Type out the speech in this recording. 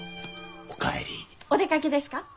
お出かけですか？